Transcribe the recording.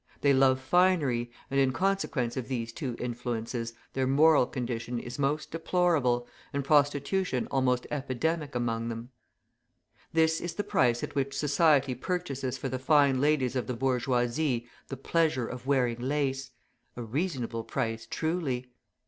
They love finery, and in consequence of these two influences their moral condition is most deplorable, and prostitution almost epidemic among them. This is the price at which society purchases for the fine ladies of the bourgeoisie the pleasure of wearing lace; a reasonable price truly!